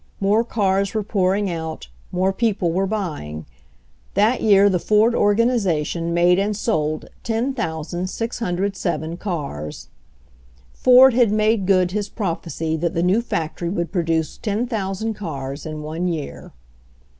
More cars were pouring out, more people were buying. That year the Ford organization made and sold 10,607 cars Ford had made good his prophecy that the new factory would produce 10,000 cars in one year.